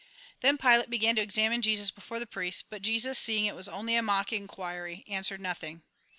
Then Pilate began to examine Jesus before the priests ; but Jesus, seeing it was only a mock inquiry, answered nothing.